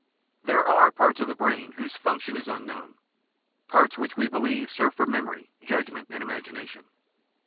There are parts of the brain whose function is unknown — ^parts which we believe serve for memory, judgment, and imagination.